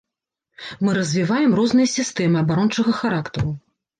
Мы развіваем розныя сістэмы абарончага характару.